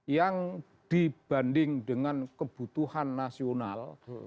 yang dibanding dengan kebutuhan nasional